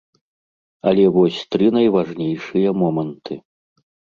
Але вось тры найважнейшыя моманты.